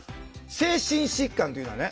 精神疾患というのはね